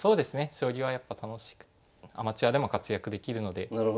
将棋はやっぱ楽しくアマチュアでも活躍できるので。